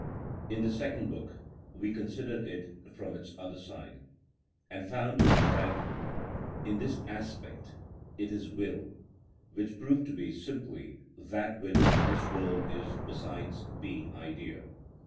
In the Second Book we considered it from its other side, and found that in this aspect it is will, which proved to be simply that which this world is besides being idea.